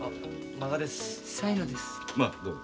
まあどうぞ。